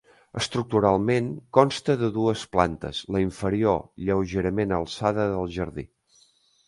Estructuralment consta de dues plantes, la inferior lleugerament alçada del jardí.